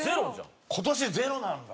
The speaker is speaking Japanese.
今年ゼロなんだ。